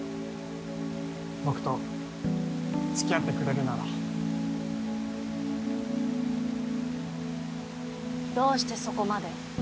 僕と付き合ってくれるならどうしてそこまで？